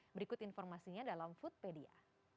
berikut informasinya dalam foodpedia